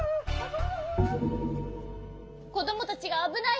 こどもたちがあぶない！